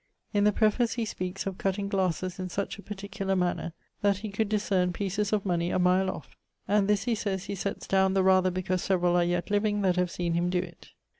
In the preface he speakes of cutting glasses in such a particular manner that he could discerne pieces of money a mile off; and this he saies he setts downe the rather because severall are yet living that have seen him doe it.